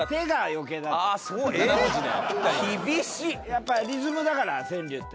やっぱりリズムだから川柳って。